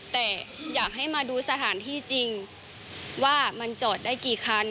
แต่อยากให้มาดูสถานที่จริงว่ามันจอดได้กี่คัน